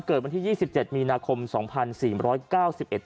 เกิดวันที่ยี่สิบเจ็ดมีนาคมสองพันสี่ร้อยเก้าสิบเอ็ด